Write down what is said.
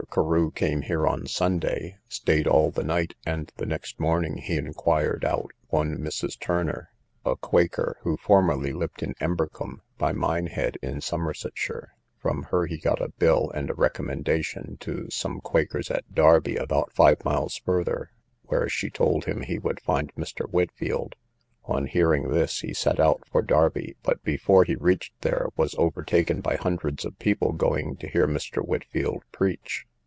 Carew came here on Sunday, staid all the night, and the next morning he enquired out one Mrs. Turner, a quaker, who formerly lived at Embercomb, by Minehead, in Somersetshire; from her he got a bill, and a recommendation to some quakers at Derby, about five miles further, where she told him he would find Mr. Whitfield. On hearing this, he set out for Derby; but, before he reached there, was overtaken by hundreds of people going to hear Mr. Whitfield preach.